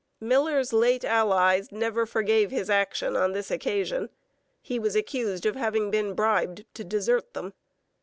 Miller's late allies never forgave his action on this occasion. He was accused of having been bribed to desert them.